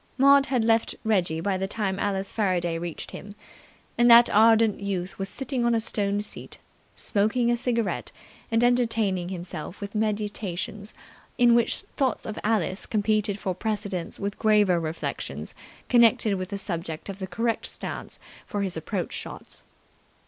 Maud had left Reggie by the time Alice Faraday reached him, and that ardent youth was sitting on a stone seat, smoking a cigarette and entertaining himself with meditations in which thoughts of Alice competed for precedence with graver reflections connected with the subject of the correct stance for his approach shots.